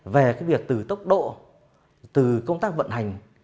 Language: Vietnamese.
về cái việc từ tốc độ từ công tác vận hành